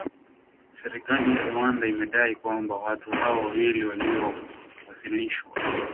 Serikali ya Rwanda imedai kwamba watu hao wawili walio wasilishwa